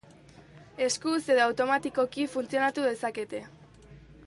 Eskuz edo automatikoki funtzionatu dezakete.